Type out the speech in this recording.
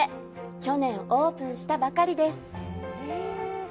去年オープンしたばかりです。